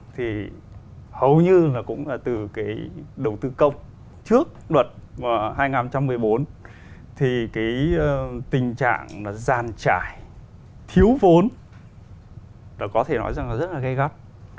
thì hầu như là cũng là từ cái đầu tư công trước luật hai nghìn một mươi bốn thì cái tình trạng là giàn trải thiếu vốn có thể nói rằng là rất là gây gắt